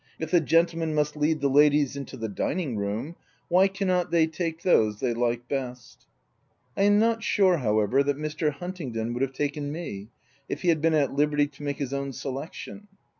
If the gentlemen must lead the ladies into the dining room, why cannot they take those they like best ? OF WILDFELL HALL. 299 I am not sure, however, that Mr. Hunting don would have taken me, if he had been at liberty to make his own selection.